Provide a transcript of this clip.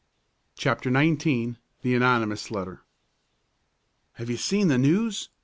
CHAPTER XIX THE ANONYMOUS LETTER "Have you seen the News?"